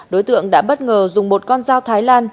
đối tượng đã bất ngờ dùng một con dao thái lan